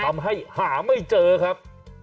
ทำให้หาไม่เจอครับ